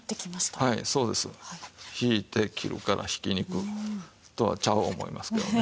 はいそうです。引いて切るからひき肉。とはちゃう思いますけどね。